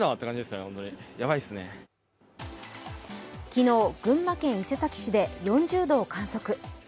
昨日群馬県伊勢崎市で４０度を観測。